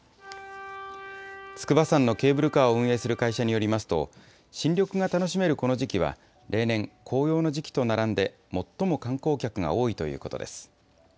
筑波山のケーブルカーを運営する会社によりますと、新緑が楽しめるこの時期は、例年、紅葉の時期と並んで、最も観光客が多いということです。